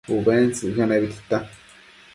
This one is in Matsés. ubentsëcquio nebi tita